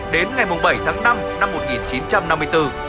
đến ngày bảy tháng năm năm một nghìn chín trăm năm mươi bốn